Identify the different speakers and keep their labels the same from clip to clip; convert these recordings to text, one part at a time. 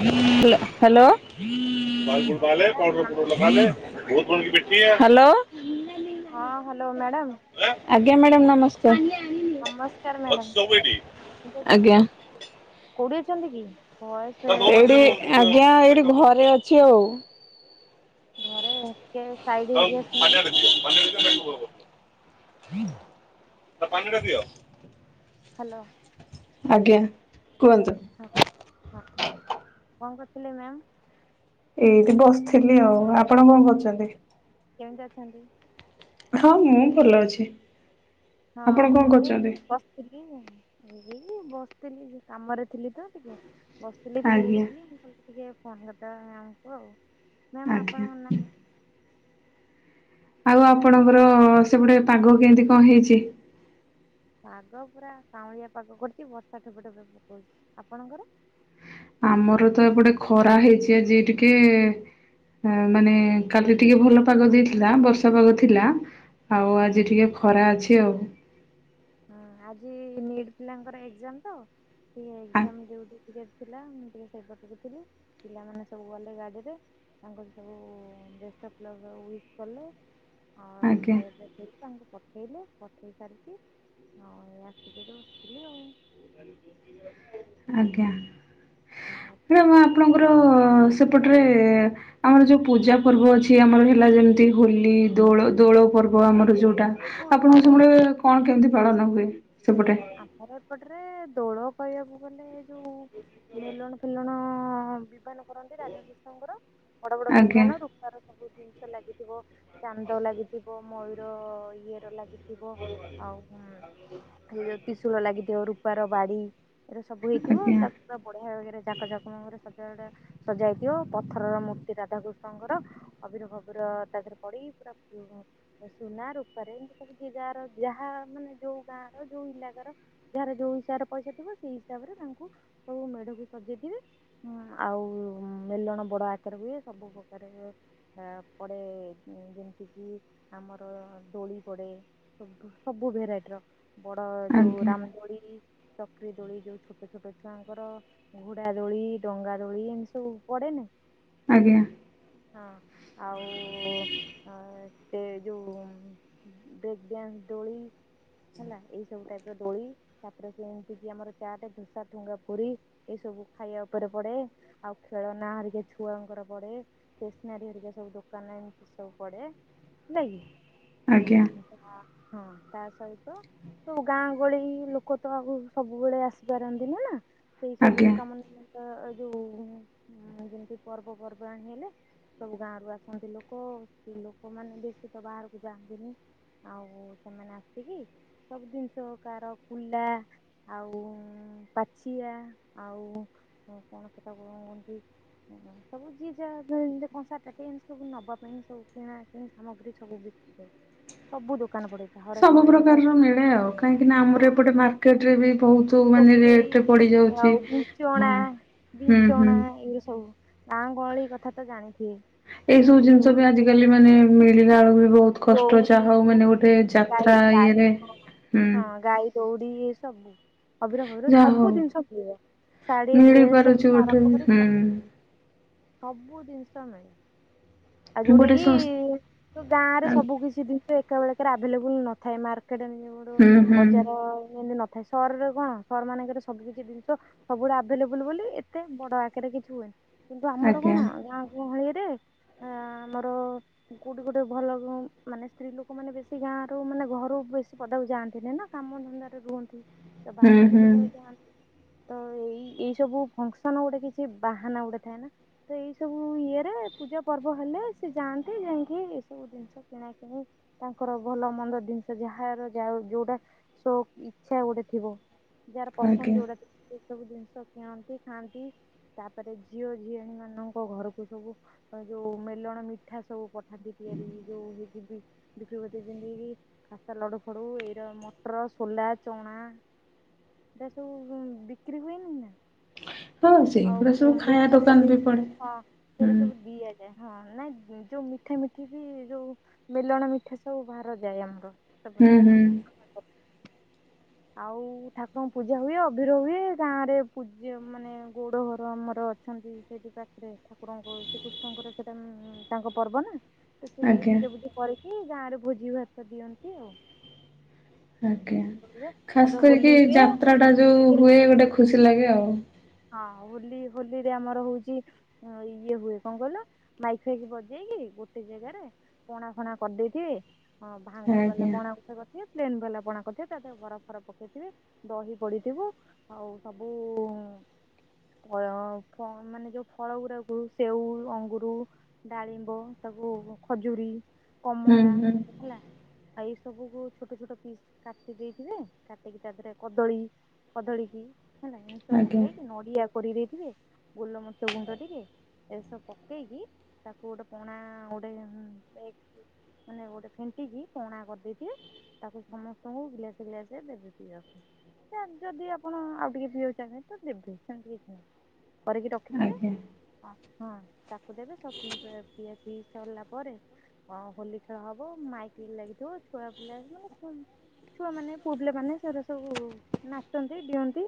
Speaker 1: Hello
Speaker 2: ହଁ madam ନମସ୍କାର
Speaker 1: hello
Speaker 2: ହଁ ହ୍ୟାଲୋ ମ୍ୟାଡ଼ାମ।
Speaker 1: ଆଜ୍ଞା ମ୍ୟାଡ଼ାମ ନମସ୍କାର,
Speaker 2: ନମସ୍କାର ମ୍ୟାଡ଼ାମ କେମିତି ଅଛନ୍ତି?
Speaker 1: ଆଜ୍ଞା।
Speaker 2: କୋଉଠି ଅଛନ୍ତି କି? ଭଏସ
Speaker 1: ଏଇଠି
Speaker 2: ମାନେ
Speaker 1: ଆଜ୍ଞା ଏଇଠି ଘରେ ଅଛି ଆଉ।
Speaker 2: ଘରେ କେ
Speaker 1: [inaudible] [inaudible]
Speaker 2: ହ୍ୟାଲୋ।
Speaker 1: ଆଜ୍ଞା କୁହନ୍ତୁ?
Speaker 2: ହଁ ହଁ କଣ କରୁଥିଲେ ମ୍ୟାମ୍?
Speaker 1: ଏଇଠି ବସିଥିଲି ଆଉ ଆପଣ କଣ କରୁଛନ୍ତି?
Speaker 2: କେମିତି ଅଛନ୍ତି?
Speaker 1: ହଁ ମୁଁ ଭଲ ଅଛି।
Speaker 2: ହଁ
Speaker 1: ଆପଣ କଣ
Speaker 2: ମୁ
Speaker 1: କରୁଛନ୍ତି?
Speaker 2: ଏଇଠି ବସିଛି। ଏଇ ବସିଥିଲି କାମରେ ଥିଲି ତ ଟିକେ? ବସିଥିଲି ଫ୍ରି
Speaker 1: ଆଜ୍ଞା
Speaker 2: ହେଇଥିଲି ମୁଁ କହିଲି ଟିକିଏ ଫୋନ କରିଦେବା ମ୍ୟାମକୁ ଆଉ ମ୍ୟାମ୍
Speaker 1: ଆଜ୍ଞା।
Speaker 2: ଆପଣଙ୍କ ନାଁ?
Speaker 1: ଆଉ ଆପଣଙ୍କର ସେ ପଟେ ପାଗ କେମିତି କଣ ହେଇଛି?
Speaker 2: ପାଗ ପୁରା କାଉଁଳିଆ ପାଗ କରିଚି ବର୍ଷା ଠୋପେ ଠୋପେ ପକଉଛି ଆପଣଙ୍କର?
Speaker 1: ଆମର ତ ଏପଟେ ଖରା ହେଇଛି ଆଜି ଟିକେ। ମାନେ କାଲି ଟିକେ ଭଲ ପାଗ ଦେଇଥିଲା ବର୍ଷା ପାଗ ଥିଲା। ଆଉ
Speaker 2: ହୁଁ
Speaker 1: ଆଜି ଟିକେ ଖରା ଅଛି ଆଉ।
Speaker 2: ହଁ ଆଜି ନିଟ୍ ପିଲାଙ୍କର ଏକ୍ଜାମ ତ ଟିକ ଏକ୍ଜାମ [unintelligible] ଟିକେ ଥିଲା ମୁଁ ଟିକେ ସେଇପଟକୁ ଥିଲି ପିଲାମାନେ ସବୁ ଗଲେ ଗାଡିରେ। ତାଙ୍କର ସବୁ ବେଷ୍ଟ ଅଫ ଲକ୍ ୱିଶ୍ କଲେ। ଆଉ
Speaker 1: ଆଜ୍ଞା
Speaker 2: ଖାଇବା ପାଇଁ ତାଙ୍କୁ ପଠେଇଲେ ପଠେଇ ସାରିକି ହଁ ଏଇ ଆସିକି ଏଠି ବସିଥିଲି ଆଉ।
Speaker 1: ଆଜ୍ଞା ମାଡାମ୍ ଆପଣଙ୍କର ଆମର ସେପଟରେ ଆମର ଯୋଉ ପୂଜା ପର୍ବ ଅଛି ଆମର ହେଲା ଯେମିତି ହୋଲି, ଦୋଳ ଦୋଳ ପର୍ବ ଆମର ଯୋଉଟା ଆପଣଙ୍କ
Speaker 2: ଓହୋ
Speaker 1: ସେପଟେ କଣ କେମିତି ପାଳନ ହୁଏ ସେପଟେ?
Speaker 2: ଆମର ଏପଟରେ ଦୋଳ କହିବାକୁ ଗଲେ ଯୋଉ ମେଲଣ ଫେଲଣ ବିବାହ କରନ୍ତି ରାଧାକୃଷ୍ଣଙ୍କର ବଡ ବଡ
Speaker 1: ଆଜ୍ଞା
Speaker 2: ବିମାନରେ ରୂପାର ସବୁ ଜିନିଷ ଲାଗିଥିବ ଚାନ୍ଦ ଲାଗିଥିବ ମୟୂର ଇଏରେ ଲାଗିଥିବ ଆଉଁ ସେ ଯୋଉ ତ୍ରିଶୂଳ ଲାଗିଥିବ ରୂପାର ବାଡି ଏ ସବୁଠୁ
Speaker 1: ଆଜ୍ଞା
Speaker 2: ତାକ ବଢ଼ିୟା ଭାବରେ ଯାକ ଯାକ ରେ ସଜଡା ସଜା ହୋଇଥିବ ପଥରର ମୂର୍ତ୍ତି ରାଧାକୃଷ୍ଣଙ୍କର ଅଭିର ଫବିର ତା ଦେହରେ ପୁରା ପଡି ପୁରା ତ ସୁନା ରୂପାରେ ଏମିତି କିଛି ଯାହାର ଯାହା ମାନେ ଯେ ଯା ର ଯୋଉ ଇଲାକାର ର ଯାହାର ଯୋଉ ହିସାବରେ ପଇସା ଥିବ ସେଇ ହିସାବରେ ତାଙ୍କୁ ସବୁ ମେଢକୁ ସଜେଇଥିବେ ହୁଁ ଆଉ ମେଲଣ ବଡ ଆକାର ହୁଏ ସବୁ ପ୍ରକାର ହୁଏ ତା ପରେ ଯେମିତିକି ଆମର ଦୋଳି ପଡ଼େ ସବୁ ସବୁ ଭେରାଇଟିର ବଡ ଯୋଉ
Speaker 1: ଆଜ୍ଞା ଆଜ୍ଞା
Speaker 2: ରାମଦୋଳି ଚକ୍ରି ଦୋଳି ଯୋଉ ଛୋଟ ଛୋଟ ଛୁଆଙ୍କର ଘୋଡ଼ା ଦୋଳି ଡଙ୍ଗା ଦୋଳି ଏମିତି ସବୁ ପଡେନି
Speaker 1: ଆଜ୍ଞା।
Speaker 2: ହଁ ଆଉ ସେ ଯୋଉ ବ୍ରେକଡାନ୍ସ ଦୋଳି। ହେଲା ଏଇସବୁ ଟାଇପର ଦୋଳି ତାପରେ ସେ ଏମିତି କି ଆମର ଚାଟ, ଦୋସା, ଠୁଙ୍କାପୁରି ଏସବୁ ଖାଇବା ଉପରେ ପଡେ ଆଉ ଖେଳନା ହେରିକା ଛୁଆଙ୍କର ପଡେ ଷ୍ଟେସନାରୀ ହେରିକା ସବୁ ଦୋକାନରେ ଏମିତି ସବୁ ପଡେ ନାଇକି,
Speaker 1: ଆଜ୍ଞା
Speaker 2: ଭାତ ତା ସହିତ ତ ଗାଁ ଗହଳି ଲୋକ ତ ଆଉ ସବୁବେଳେ ଆସିପାରନ୍ତିନି ନା। ସେଇ ସବୁ
Speaker 1: ଆଜ୍ଞା।
Speaker 2: [unintelligible] ଯୋଉ ଯେମିତି ପର୍ବ ପର୍ବାଣି ହେଲେ, ସବୁ ଗାଁରୁ ଆସନ୍ତି ଲୋକ କି ଲୋକ ମାନେ ବେଶୀ ତ ବାହାରକୁ ଯାଆନ୍ତିନି। ଆଉ ସେମାନେ ଆସିକି ସବୁ ଜିନିଷ କାହାର କୁଲା ଆଉ ପାଛିଆ ଆଉ କଣ ସେଟାକୁ କଣ କହଁନ୍ତି? ଓ ସବୁ ଯିଏ ଯାହା ଯାଉ କଂସା ତାଟିଆ ଏମତି ସବୁ ନବା ପାଇଁ ସବୁ କିଣା କିଣି ସାମଗ୍ରୀ ସବୁ ବିକ ସବୁ ଦୋକାନ ପଡେ।
Speaker 1: ସବୁ ପ୍ରକାରର ମିଳେ ଆଉ କାହିଁକି ନା
Speaker 2: ହଁ
Speaker 1: ଆମର ଏପଟେ
Speaker 2: ହଁ।
Speaker 1: ମାର୍କେଟ ରେ ବି ବହୁତ୍
Speaker 2: ଟୋକେଇ ଆଉ
Speaker 1: ହଁ
Speaker 2: ବିଞ୍ଚଣା
Speaker 1: ହୁଁ ହୁଁ।
Speaker 2: ବିଞ୍ଚଣା ଏଇ ସବୁ ଗାଁ ଗହଳି କଥାତ ଜାଣିଥିବେ।
Speaker 1: ଏଇ ସବୁ ଜିନିଷ ବି ଆଜିକାଲି ମାନେ ମିଳିଲା ବେଳକୁ ବହୁତ୍ କଷ୍ଟ
Speaker 2: ଦଉରି
Speaker 1: ଯାହା ହଉ ମାନେ ଗୋଟେ
Speaker 2: ଯୋଉ ଗାଈ
Speaker 1: ଯାତ୍ରା
Speaker 2: ଗାଈ
Speaker 1: ଇଏରେ ହୁଁ
Speaker 2: ହଁ ଗାଈ ଦୋଉଡି ଏସବୁ ଅବିର ଫବିର
Speaker 1: ଯାହା ହଉ
Speaker 2: ସବୁ ଜିନିଷ ମିଳେ। ଶାଢୀ
Speaker 1: ମିଳି ପାରୁଛି
Speaker 2: ଡ୍ରେସଠୁ
Speaker 1: ଗୋଟେ
Speaker 2: ଆରମ୍ଭ କରି
Speaker 1: ହୁଁ
Speaker 2: ସବୁ ଜିନିଷ ସବୁ ଜିନିଷ ମିଳେ ଆଉ ଯୋଉଟା
Speaker 1: ଗୋଟେ ଶସ୍
Speaker 2: କିି ଗାଁରେ
Speaker 1: ଆଁ
Speaker 2: କିଛି ଜିନିଷ ଏକାବେଳକରେ ଆଭେଲେବଲ୍ ନଥାଏ ମାର୍କେଟ
Speaker 1: ହୁଁ ହୁଁ
Speaker 2: [unintelligible] ସହରରେ କଣ ସହର ମାନଙ୍କରେ ସବୁ କିିଛି ଜିନିଷ ସବୁବେଳେ ଆଭେଲେବଲ୍ ବୋଲି ଏତେ ବଡ ଆକାରରେ କିଛି ହୁଏନି। କିନ୍ତୁ ଆମର
Speaker 1: ଆଜ୍ଞା
Speaker 2: କଣ, ଗାଁ ଗହଳିରେ ଆମର କୋଉଠି ଗୋଟେ ଭଲ ମାନେ ସ୍ତ୍ରୀ ଲୋକମାନେ ବେଶୀ ଗାଁରୁ ମାନେ ଘରୁ ବେଶୀ ପଦାକୁ ଯାଆନ୍ତିନି ନା କାମ ଧନ୍ଦାରେ ରୁହନ୍ତି। ତ
Speaker 1: ହୁଁ
Speaker 2: ବାହାରକୁ
Speaker 1: ହୁଁ
Speaker 2: ଯେତେବେଳେ ଯାଆନ୍ତି ତ ଏଇ ଏଇସବୁ ଫଙ୍କସନ୍ ଗୋଟେ କିଛି ବାହାନା ଗୋଟେ ଥାଏ ନା, ତ ଏଇ ସବୁ ଇଏରେ ପୂଜା ପର୍ବ ହେଲେ ସେ ଯାଆନ୍ତି ଯାଇକି ଏଇ ସବୁ ଜିନିଷ କିଣାକିଣି ତାଙ୍କର ଭଲ ମନ୍ଦ ଜିନିଷ ଯାହାର ଯାଉ ଯୋଉଟା ସୋକ୍ ଇଚ୍ଛା ଗୋଟେ ଥିବ ଯାହାର ପସନ୍ଦ
Speaker 1: ଆଜ୍ଞା।
Speaker 2: ଯୋଉଟା ଥିବ। ଏ ସବୁ ଜିନିଷ କିଣନ୍ତି ଖାଆନ୍ତି ତାପରେ ଝିଅ ଝିଆଣି ମାନଙ୍କ ଘରକୁ ସବୁ ଏ ଯୋଉ ମେଲଣ ମିଠା ସବୁ ପଠାନ୍ତି ତିଆରି ହେଇକି। [unintelligible] ଖାସ୍ତା ଲଡୁ ଫଡୁ ଏଇର ମଟର, ସୋଲା, ଚଣା। ଏଇରା ସବୁ ବିକ୍ରି ହୁଏନିନା।
Speaker 1: ହଁ
Speaker 2: ଆହୁରି
Speaker 1: ସେଇଗୁଡା ସବୁ
Speaker 2: ପୁଣି
Speaker 1: ଖାଇବା
Speaker 2: ମିଠା
Speaker 1: ଦୋକାନ ବି
Speaker 2: ଜଲେପି
Speaker 1: ପଡେ
Speaker 2: ହଁ
Speaker 1: ହୁଁ
Speaker 2: ସେଉରା ସବୁ ଦିଆଯାଏ। ହଁ ନାଇଁ ଯୋଉ ମିଠା ମିଠି ବି ଯୋଉ ମେଲଣ ମିଠା ସବୁ ଭାର ଯାଏ ଆମର।
Speaker 1: ହୁଁ
Speaker 2: ସେପଟରେ।
Speaker 1: ହୁଁ
Speaker 2: ଆଉ ଠାକୁରଙ୍କ ପୂଜା ହୁଏ ଅଭିର ହୁଏ ଗାଁ ରେ ପୂଜା ମାନେ ଗୋଉଡ ଘର ଆମର ଅଛନ୍ତି। ସେଇଠି ପାଖରେ ଠାକୁରଙ୍କୁ ଶ୍ରୀକୃଷ୍ଣଙ୍କର ସେଇଟା ତାଙ୍କ ପର୍ବ ନା, ତ ସେତିକି
Speaker 1: ଆଜ୍ଞା।
Speaker 2: ପୂଜା ପୂଜା କରିକି ଗାଁ ରେ ଭୋଜି ଭାତ ଦିଅନ୍ତି ଆଉ।
Speaker 1: ଆଜ୍ଞା ଖାସ୍
Speaker 2: ତାପରେ ହୋଲି
Speaker 1: କରିକି ଏଇ
Speaker 2: ହୁଏ
Speaker 1: ଯାତ୍ରାଟା ଯୋଉ
Speaker 2: ହୋଲିରେ
Speaker 1: ହୁଏ ଗୋଟେ ଖୁସି ଲାଗେ ଆଉ।
Speaker 2: ହଁ ହୋଲି ହୋଲି ରେ ଆମର ହଉଛି ହଁ ଇଏ ହୁଏ କଣ କହିଲ ମାଇକ ଫାଇକି ବଜେଇକି ଗୋଟେ ଜାଗାରେ ପଣା ଫଣା କରିଦେଇଥିବେ ହଁ ଭାଙ୍ଗ ବାଲା
Speaker 1: ଆଜ୍ଞା
Speaker 2: ପଣା, କରିିଥିବେ ପ୍ଲେନ୍ ବାଲା ପଣା କରିିଥିବେ ତାଦେହରେ ବରଫ ଫରପ ପକେଇଥିବେ ଦହି ପଡିଥିବ। ଆଉ ସବୁ ମାନେ ଯୋଉ ଫଳ ଗୁଡ଼ାକୁ କୋହୁ ସେଓ, ଅଙ୍ଗୁରୁ ଡାଳିମ୍ବ ତାକୁ ଖଜୁରୀ
Speaker 1: ହୁଁ
Speaker 2: କମଳା
Speaker 1: ହୁଁ
Speaker 2: ହେଲା। ଆଉ ଏଇ ସବୁ କୁ ଛୋଟ ଛୋଟ ପିସ୍ କାଟି ଦେଇଥିବେ, କାଟିକି ତା ଦେହରେ କଦଳୀ କଦଳୀ କିି ହେଲା ଏସବୁ
Speaker 1: ଆଜ୍ଞା
Speaker 2: ପକେଇକି ନଡିଆ କୋରିଦେଇଥିବେ ଗୋଲମରିଚ ଗୁଣ୍ଡ ଟିକେ ଏସବୁ ପକେଇକି ତାକୁ ଗୋଟେ ପଣା ଗୋଟେ ମାନେ ଗୋଟେ ଫେଣ୍ଟିକି କଣା କରିଦେଇଥିବେ ତାକୁ ସମସ୍ତଙ୍କୁ ଗିଲାସେ ଗିଲାସେ ଦେବେ ପିଇବାକୁ। ସେ ଯଦି ଆପଣ ଆଉ ଟିକେ ପିଇବାକୁ ଚାହିଁବେ ସେ ଦେବେ ସେମତି କିଛି ନାହିଁ କରିକି ରଖିଥିବେ
Speaker 1: ଆଜ୍ଞା
Speaker 2: ହଁ ହଁ ତାକୁ ଦେବେ ସବ ପିଇବା ପିଆ ପିଇ ସରିଲା ପରେ ହଁ ହୋଲି ଖେଳ ହବ ମାଇକି ଲାଗିଥିବ ଛୁଆ ପିଲା ମାନେ କଣ ଛୁଆମାନେ ପୁଅ ପିଲା ମାନେ ସେଇରା ସବୁ ନାଚନ୍ତି ଡିଅନ୍ତି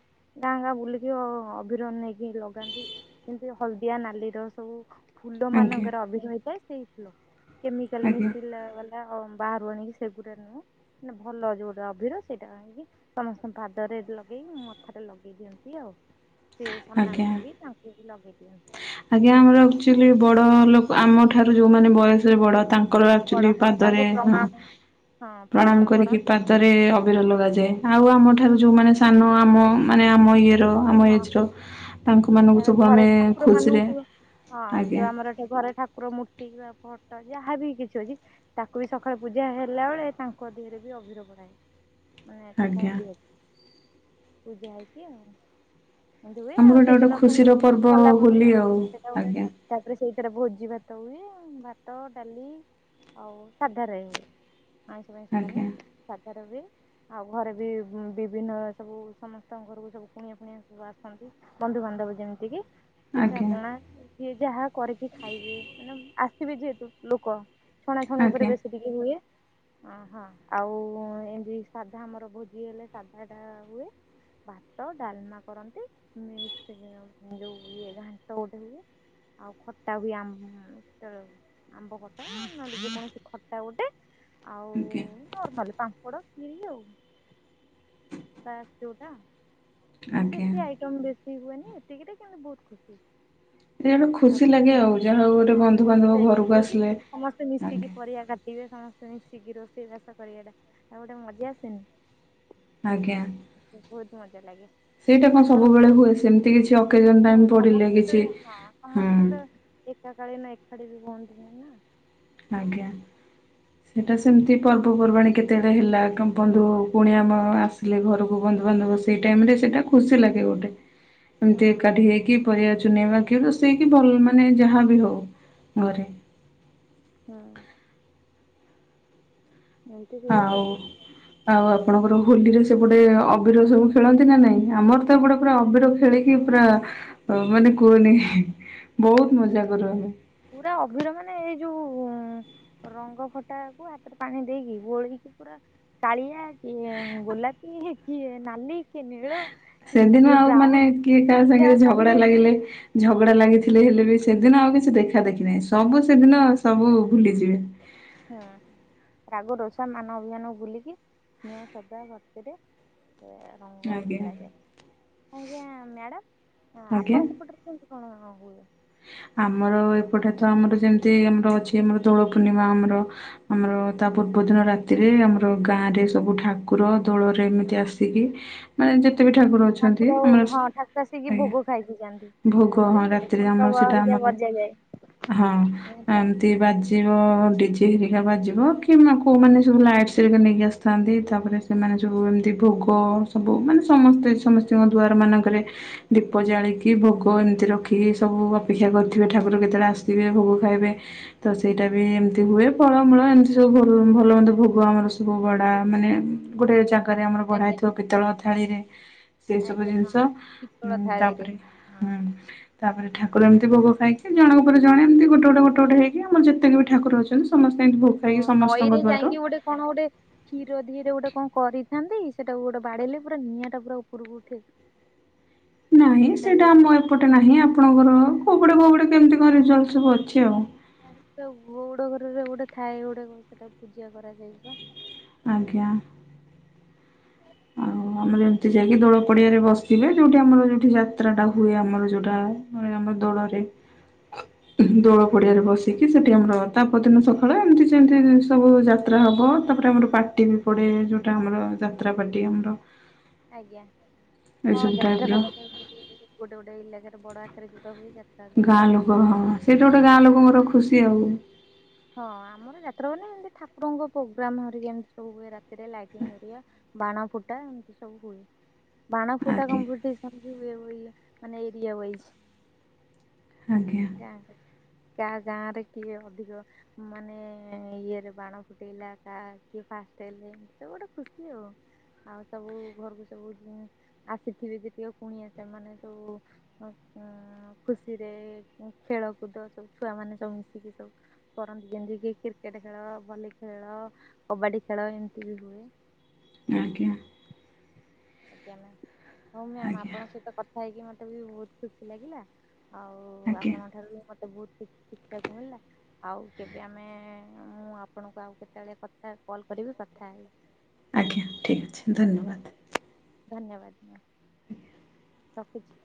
Speaker 2: ଗାଁ ଗାଁ ବୁଲିକି ଅଭିର ନେଇକି ଲଗାନ୍ତି କିନ୍ତୁ ହଳଦିଆ ନାଲିର ସବୁ ଫୁଲ
Speaker 1: ଆଜ୍ଞା।
Speaker 2: ମାନଙ୍କର ଅଭିର ହେଇଥାଏ ସେଇ ଫୁଲ କେମିକାଲ
Speaker 1: ଆଜ୍ଞା
Speaker 2: ମିଶିଥିଲା ବାଲା ବାହାରୁ ଆଣିକି ସେଗୁଟା ନୁହଁ। ନା ଭଲ ଯୋଉଟା ଅଭିର ସେଇଟା ଆଣିକି ସମସ୍ତଙ୍କ ପାଦରେ ଲଗେଇକି ମଥାରେ ଲଗେଇ ଦିଅନ୍ତି। ତି ଆଉ ସେ ସାମ୍ନା କୁ
Speaker 1: ଆଜ୍ଞା।
Speaker 2: ଲଗେଇ ତାଙ୍କୁ ବି ଲଗେଇ ଦିଅନ୍ତୁ।
Speaker 1: ଆଜ୍ଞା ଆମର ଆକ୍ଚୁଆଲି ବଡ଼ ଲୋକ ଆମଠାରୁ ଯୋଉମାନେ ବୟସରେ ବଡ଼ ତା କର
Speaker 2: ବଡ
Speaker 1: ଆକ୍ଚୁଆଲି
Speaker 2: ହଁ ତାଙ୍କୁ
Speaker 1: ପାଦରେ ହଁ
Speaker 2: ପ୍ରଣାମ ହଁ
Speaker 1: ପ୍ରଣାମ କରିକି
Speaker 2: କରନ୍ତି।
Speaker 1: ପାଦରେ ଅଭିର ଲଗାଯାଏ ଆଉ ଆମ ଠାରୁ ଯୋଉମାନେ ସାନ ଆମ ମାନେ ଆମ ଇଏର ଆମ
Speaker 2: ହଁ
Speaker 1: ଏଜର ତାଙ୍କ ମାନଙ୍କୁ ସବୁ ଆମେ ଖୁସିରେ
Speaker 2: ତାଙ୍କମାନଙ୍କୁ ହଁ
Speaker 1: ଆଜ୍ଞା
Speaker 2: ଯୋଉ ଆମର ଏଠି ଘରେ ଠାକୁର ମୂର୍ତ୍ତି କିମ୍ବା ଫଟୋ ଯାହାବି କିଛି ଅଛି ତାକୁ ବି ସଖାଳେ ପୂଜା ହେଲା ବେଳେ ତାଙ୍କ ଦେହରେ ବି ଅଭିର ବୋଳାଯାଏ। ମାନେ ଏଠା କଣ
Speaker 1: ଆଜ୍ଞା।
Speaker 2: ଡିଏ ପୂଜା ହେଇକି ଆଉ ଏମିତି ହୁଏ
Speaker 1: ଆମର
Speaker 2: ଆଉ
Speaker 1: ଏଇଟା ଗୋଟେ
Speaker 2: ସେଦିନ ପୁଣି
Speaker 1: ଖୁସିର ପର୍ବ
Speaker 2: ସଲା ପରେ
Speaker 1: ହୋଲି
Speaker 2: ହଁ
Speaker 1: ଆଉ
Speaker 2: ସେଟା ଗୋଟେ
Speaker 1: ଆଜ୍ଞା।
Speaker 2: ତାପରେ ସେଇଥିରେ ଭୋଜି ଭାତ ହୁଏ। ଭାତ, ଡାଲି ଆଉ ସାଧାରେ ହୁଏ ଆଇଁଷ ଫାଇଁଷ ହୁଏନି।
Speaker 1: ଆଜ୍ଞା
Speaker 2: ସାଧାରେ ହୁଏ ଆଉ ଘରେ ବି ବିଭିନ୍ନ ସବୁ ସମସ୍ତଙ୍କ ଘରକୁ ସବୁ କୁଣିଆ କୁଣିଆ ସବୁ ଆସିଥାନ୍ତି ବନ୍ଧୁବାନ୍ଧବ ଯେମିତି କିି ପିଠା
Speaker 1: ଆଜ୍ଞା
Speaker 2: ପଣା ଯିଏ ଯାହା କରିକି ଖାଇବେ ମାନେ ଆସିବେ ଯେହେତୁ ଲୋକ ଛଣାଛଣି ଉପରେ
Speaker 1: ଆଜ୍ଞା
Speaker 2: ବେଶି ଟିକେ ହୁଏ। ଅ ହଁ ଆଉ ଏମିତି ସାଧା ଆମର ଭୋଜି ହେଲେ ସାଧାଟା ହୁଏ। ଭାତ ଡାଲମା କରନ୍ତି। ମିକ୍ସ ଯୋଉ ହୁଏ ଘାଣ୍ଟ ଗୋଟେ ହୁଏ। ଆଉ ଖଟା ବି ଆମ ତର ଆମ୍ବ କଟା ନହେଲେ ଯେ କୌଣସି ଖଟା ଗୋଟେ
Speaker 1: ଆଜ୍ଞା
Speaker 2: ଆଉ ନର୍ମାଲି ପାମ୍ପଡ [unintelligible] କାସ ଯୋଉଟା
Speaker 1: ଆଜ୍ଞା।
Speaker 2: ବେଶି ଆଇଟମ ବେଶି ହୁଏନି ଏତିକିରେ କିନ୍ତୁ ବହୁତ ଖୁସୀ।
Speaker 1: ଏ ଗୋଟେ
Speaker 2: ସ
Speaker 1: ଖୁସି ଲାଗେ ଆଉ
Speaker 2: ଭଲ
Speaker 1: ଯାହା ହଉ ଗୋଟେ
Speaker 2: ହଁ
Speaker 1: ବନ୍ଧୁବାନ୍ଧବ
Speaker 2: ସମସ୍ତେ ଏକ
Speaker 1: ଘରକୁ
Speaker 2: ହେକି
Speaker 1: ଆସିଲେ
Speaker 2: ସମସ୍ତେ ମିଶିକି
Speaker 1: ଆଜ୍ଞା
Speaker 2: ପରିବା କା ଥିବେ ସମସ୍ତେ ମିଶିକି ରୋଷେଇ ବାସ କରିବାଟା ହେଟା ଗୋଟେ ମଜା ଆସେନି।
Speaker 1: ଆଜ୍ଞା
Speaker 2: ଆ ବହୁତ ମଜା ଲାଗେ।
Speaker 1: ସେଇଟା କଣ
Speaker 2: ଆପଣ ହଁ
Speaker 1: ସବୁବେଳେ
Speaker 2: ସମସ୍ତେ
Speaker 1: ହୁଏ ସେମିତି କିଛି ଅକେଜନ
Speaker 2: ତ
Speaker 1: ଟାଇ
Speaker 2: ହଁ
Speaker 1: ପଡ଼ିଲେ କିଛି ହୁଁ
Speaker 2: ଏକା କାଳୀ ନା ଏକାଠି ବି ହୁଅନ୍ତି ନିଁ ନା
Speaker 1: ଆଜ୍ଞା
Speaker 2: ହୁଁ।
Speaker 1: ସେଟା ସେମତି ପର୍ବପର୍ବାଣିୀ କେତେଟା ହେଲା କମପା ଭପୁଣି ଆମ ଆସିଲେ ଘରକୁ ବନ୍ଧୁବାନ୍ଧବ ସେଇ ଟାଇମ ରେ ସେଇଟା। ଖୁସି ଲାଗେ ଗୋଟେ।
Speaker 2: ହଁ
Speaker 1: ଏମିତି ଏକାଠି ହେଇକି ପରିବା ଚୁନେଇବା କି ରୋଷେଇକି ଭଲ ମାନେ ଯାହାବି ହଉ ଘରେ।
Speaker 2: ହୁଁ। ଏମିତି ହୁଏ
Speaker 1: ଆଉ, ଆଉ ଆପଣଙ୍କର ହୋଲିରେ ସେପଟେ ଅବିର ସବୁ ଖେଳନ୍ତି ନା ନାଇଁ? ଆମର ସେପଟେ ପୁରା ଅବିର ଖେଳିକି ପୁରା ହ ମାନେ କୁହନି, ବହୁତ ମଜା କରୁ ଆମେ।
Speaker 2: ପୁରା ଅଭିର ମାନେ ଏଇ ଯୋଉ ରଙ୍ଗ ଫଟାକୁ ହାତରେ ପାଣି ଦେଇକି ବୋଳକି ପୁରା କାଳିଆ କିଏ ଗୋଲାପୀ ହେ କିଏ ନାଲି? କିଏ ନୀଳ।
Speaker 1: ସେଦିନ
Speaker 2: କିଏ
Speaker 1: ଆଉ
Speaker 2: ବ୍ରାଉନ
Speaker 1: ମାନେ କିଏ କାହା
Speaker 2: ଯାହା
Speaker 1: ସାଙ୍ଗରେ ଝଗଡା
Speaker 2: ପାରିବେ
Speaker 1: ଲାଗିଲେ ଝଗଡା ଲାଗିଥିଲେ ହେଲେ ବି ସେଦିନ ଆଉ କିଛି ଦେଖା ଦେେଖି ନାହିଁ ସବୁ ସେଦିନ ସବୁ ଭୁଲିଯିବେ।
Speaker 2: ହଁ। ରାଗ ରୋଷା ମାନ ଅଭିଯାନ ଭୂଲିକି ସ୍ନେହ ଶ୍ରଦ୍ଧା ଭକ୍ତିରେ - ସେୟା। ରଙ୍ଗ
Speaker 1: ଆଜ୍ଞା
Speaker 2: ଖେଳାାଯାଏ ଆଜ୍ଞା ମ୍ୟାଡ଼ାମ, ଆପଣ
Speaker 1: ଆଜ୍ଞା
Speaker 2: ସେପଟରେ କୁହନ୍ତୁ କଣ ହୁଏ?
Speaker 1: ଆମର ଏପଟେ ତ ଆମର ଯେମିତି ଆମର ଅଛି ଆମର ଦୋଳ ପୂର୍ଣ୍ଣିମା ଆମର ଆମର ତା ପୂର୍ବ ଦିନ ରାତିରେ ଆମର ଗାଁ ରେ ସବୁ ଠା କୁର ଦୋଳରେ ଏମିତି
Speaker 2: ହୁଁ
Speaker 1: ଆସିକି ମାନେ ଯେ ଯେତେ ବି ଠାକୁର ଅଛନ୍ତି ଆମର,
Speaker 2: ହଁ ଠାକୁର ଆସିକି
Speaker 1: ଆଜ୍ଞା,
Speaker 2: ଭୋଗ ଖାଇକି ଯାଆନ୍ତି।
Speaker 1: ଭୋଗ
Speaker 2: ଆମର
Speaker 1: ହ
Speaker 2: ବି ହୁଏ
Speaker 1: ରାତିରେ
Speaker 2: ଘଣ୍ଟ
Speaker 1: ଆମର ସେଟା
Speaker 2: ହେରିକା
Speaker 1: ଆମର,
Speaker 2: ବଜାଯାଏ।
Speaker 1: ହଁ ଏମତି ବାଜ ଯିବ ଡିଜିେ ହେିରିକା ବାଜିବ କିମ୍ବା କେଉଁମାନେ ସବୁ ଲାଇଟ୍ସ ହେରିକା ନେଇକି ଆସିଥାନ୍ତି ତାପରେ ସେମାନେ ସବୁ ଏମିତି ଭୋଗ ସବୁ ମାନେ ସମସ୍ତେ ସମସ୍ତଙ୍କ ଦୁଆର ମାନଙ୍କରେ ଦୀପ ଜାଳିକି ଭୋଗ ଏମିତି ରଖିକି ସବୁ ଅପେକ୍ଷା କରିଥିବେ ଠାକୁର କେତେବେଳେ ଆସିବେ ଭୋଗ ଖାଇବେ। ତ ସେଇଟା ବି ଏମିତି ହୁଏ ଫଳମୂଳ ଏମିତି ସବୁ ଭୋ ଭଲ ଭଲ ମନ୍ଦ ଭୋଗ ଆମର ସ ବୋବଡା ମାନେ ଗୋଟେ ଜାଗାରେ ଆମର
Speaker 2: ଆଜ୍ଞା।
Speaker 1: ବଢା ହେଇଥିବ ପିତ୍ତଳ ଥାଳିରେ ସେ ସବୁ
Speaker 2: ଆଜ୍ଞା ହଁ
Speaker 1: ଜିନିଷ,
Speaker 2: ପିତ୍ତଳ ଥାଳିରେ
Speaker 1: ତାପରେ
Speaker 2: ହଁ
Speaker 1: -ହୁଁ ତା ପରେ ଠାକୁର ଏମତି ଭୋଗ ଖାଇକି ଜଣଙ୍କ ପରେ ଜଣେ ଏମତି ଗୋଟେ ଖୋଟେ ଗେଟେ ଗୋଟେ ହେଇକି କି ଆମର ଯେତେକି ବି ଠାକୁର ଅଛନ୍ତି ସମସ୍ତେ ଏମିତି ଭୋଗ
Speaker 2: ହଁ
Speaker 1: ଖାଇକି
Speaker 2: ନଈରେ
Speaker 1: ସମସ୍ତଙ୍କ ଦ୍ଵାରୁ
Speaker 2: ଯାଇକି ଗୋଟେ କଣ ଗୋଟେ କ୍ଷୀର ଦିହରେ ଗୋଟେ କଣ କରିଥାନ୍ତି ସେଟାକୁ ଗୋଟେ ବାଡେଇଲେ ପୁରା ନିଆଁ ଟା ପୁରା ଉପରକୁ ଉଠେ। [inaudible]
Speaker 1: ନାହିଁ
Speaker 2: ବି
Speaker 1: ସେଇଟା
Speaker 2: ଗୋଟେ
Speaker 1: ଆମ ଏପଟେ ନାହିଁ ଆପଣଙ୍କର କୋଉ ପଟେ କ୍ନୋଉପଟେ କେମିତି କଣ ରେଜଲ୍ଟ ସବୁ ଅଛି ଆଉ।
Speaker 2: ଗଉଡ ଘରରେ ଗୋଟେ ଥାଏ ଗୋଟେ ସେଟା ପୂଜା କରାଯାଇ ବା।
Speaker 1: ଆଜ୍ଞା। ଆଉ ଆମର ଏମିତି ଯାଇକି ଦୋଳ ପଡିଆରେ ବସିବେ ଯୋଉଠି ଆମର ଯୋଉଠି ଯାତ୍ରା ଟା ହୁଏ ଆମର ଯୋଉଟା ଆମର ଦୋଳରେ।
Speaker 2: [inaudible]
Speaker 1: ଦୋଳ ପଡିଆରେ ବସିକି ସେଠି ଆମର ତାପଦିନ
Speaker 2: ଆଜ୍ଞା
Speaker 1: ସକାଳେ ଏମିତି ଯେମିତିତି ସବୁ ଯାତ୍ରା ହେବ ତାପରେ ଆମର ପାର୍ଟି ବି ପଡ଼େ ଯେଉଁଟା ଆମର ଯାତ୍ରା ପାର୍ଟି ଆମର।
Speaker 2: ଆଜ୍ଞା
Speaker 1: ଏଇ
Speaker 2: ହଁ
Speaker 1: ସବୁ
Speaker 2: ଯାତ୍ରା
Speaker 1: ଟାଇପର
Speaker 2: ଫାତ୍ରା ବି ହଏ ଗୋଟେ ଗୋଟେ ଇଲାକାରେ ବଡ ଆଖରେ ଯୁଡା ହୁଏ ଯାତ୍ରା [unintelligible]
Speaker 1: ଗାଁ ଲୋକ
Speaker 2: ଆମର
Speaker 1: ହଁ
Speaker 2: ଯାତ୍ରା
Speaker 1: ସେଇଟା
Speaker 2: ହୁଏନି।
Speaker 1: ଗୋଟେ ଗାଁ ଲୋକଙ୍କର ଖୁସି ଆଉ।
Speaker 2: ହଁ ଆମର ଯାତ୍ରା ମାନ ଏମିତି ଠାକୁରଙ୍କ ପ୍ରୋଗ୍ରାମ ହରିକା ଏମିତି ସବୁ ହୁଏ ରାତିରେ ଲାଇଟିଙ୍ଗ ହରିବା। ବାଣ ଫୁଟା ଏମିତି ସବୁ ହୁଏ। ବାଣ ଫୁଟା
Speaker 1: ଆଜ୍ଞା
Speaker 2: କମ୍ପିଟିସନ ହୁଏ [unintelligible] ଏରିଆ ବଇଜି।
Speaker 1: ଆଜ୍ଞା
Speaker 2: ଗାଁ କା ଗାଁ ରେ କିଏ ଅଧିକ ମାନେ ଇଏରେ ବାଣ ଫୁଟେଇଲା କା କିଏ ଫାଷ୍ଟ ହେଲେ ସିଏ ଗୋଟେ ଖୁସି ଓଉ। ଆଉ ସବୁ ଘରକୁ ସବୁ ଆସିଥିବେ ଯେତିକ କୁଣିଆ ସେମାନେ ସବୁ ଖୁସିରେ ଖେଳ କୁଦ ସବୁ ଛୁଆ ମାନେ ସବୁ ମିଶିକି ସବୁ କରନ୍ତି ଯେମିତି କି କ୍ରିକେଟ ଖେଳ ଭଲି ଖେଳ କବାଡି ଖେଳ ଏମିତି ବି ହୁଏ।
Speaker 1: ଆଜ୍ଞା।
Speaker 2: ଆଜ୍ଞା ମ୍ୟମ୍ ହଉ ମ୍ୟାମ
Speaker 1: ଆଜ୍ଞା
Speaker 2: ଆପଣଙ୍କ ସହିତ କଥା ହେଇକି ମତେ ବି ବହୁତ ଖୁସି ଲାଗିଲା ଆଉ
Speaker 1: ଆଜ୍ଞା
Speaker 2: ଆପଣଙ୍କ ଠାରୁ ବି ମତେ ବହୁତ କିଛି ଶିଖିବାକୁ ମିଳିଲା। ଆଉ କେବେ ଆମେ ମୁଁ ଆପଣଙ୍କୁ ଆଉ କେତେବେଳେ କଥା କଲ୍ କରିବି କଥା ହେଇି
Speaker 1: ଆଜ୍ଞା ଠିକ୍ ଅଛି ଧନ୍ୟବାଦ।
Speaker 2: ଧନ୍ୟବାଦ ରଖୁଛି।